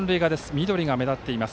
緑が目立っています。